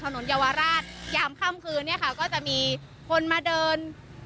เยาวราชยามค่ำคืนเนี่ยค่ะก็จะมีคนมาเดิน